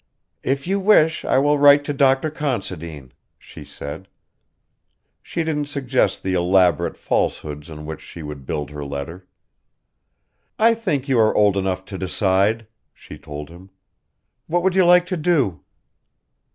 "If you wish it I will write to Dr. Considine," she said. She didn't suggest the elaborate falsehoods on which she would build her letter. "I think you are old enough to decide," she told him. "What would you like to do?"